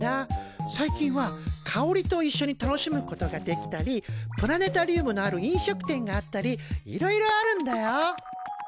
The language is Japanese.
最近は香りといっしょに楽しむことができたりプラネタリウムのある飲食店があったりいろいろあるんだよ。